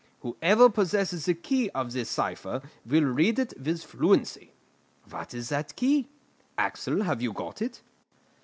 Whoever possesses the key of this cipher will read it with fluency. What is that key? Axel, have you got it?"